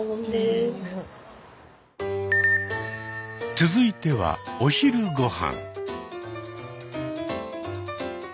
続いてはお昼ご飯。